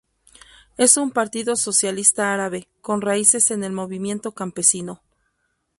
Es un partido socialista árabe, con raíces en el movimiento campesino.